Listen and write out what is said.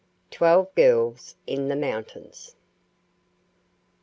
TWELVE GIRLS IN THE MOUNTAINS.